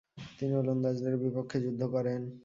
তিনি ওলন্দাজদের বিপক্ষে যুদ্ধ করেন।